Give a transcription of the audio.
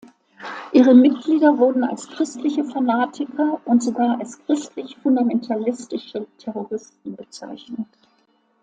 Ihre Mitglieder wurden als christliche Fanatiker und sogar als christlich-fundamentalistische Terroristen bezeichnet.